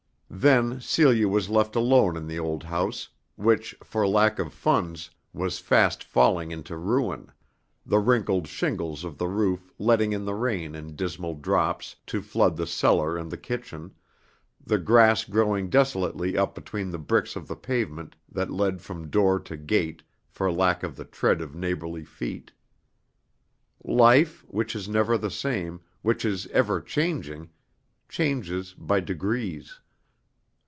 Then Celia was left alone in the old house, which, for lack of funds, was fast falling into ruin, the wrinkled shingles of the roof letting in the rain in dismal drops to flood the cellar and the kitchen, the grass growing desolately up between the bricks of the pavement that led from door to gate for lack of the tread of neighborly feet. Life, which is never the same, which is ever changing, changes by degrees.